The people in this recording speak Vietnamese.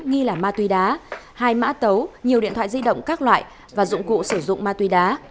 nghi là ma túy đá hai mã tấu nhiều điện thoại di động các loại và dụng cụ sử dụng ma túy đá